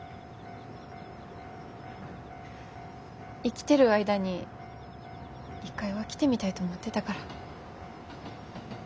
生きてる間に一回は来てみたいと思ってたから。